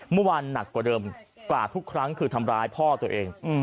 เมื่อวานหนักกว่าเดิมกว่าทุกครั้งคือทำร้ายพ่อตัวเอง